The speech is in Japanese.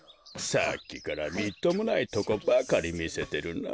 さっきからみっともないとこばかりみせてるな。